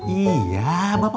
iya bapak udah tau